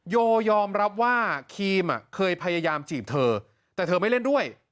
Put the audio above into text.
โยยอมรับว่าครีมเคยพยายามจีบเธอแต่เธอไม่เล่นด้วย